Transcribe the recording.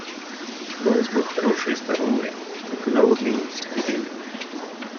Голос был хороший, здоровый, только голодный и нетерпеливый.